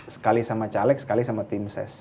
sekali sama caleg sekali sama tim ses